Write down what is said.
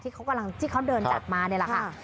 ที่เขาเดินจากมาเนี่ยแหละค่ะ